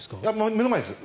目の前です。